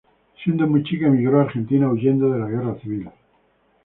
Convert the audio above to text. Siendo muy chica emigró a Argentina huyendo de la Guerra Civil.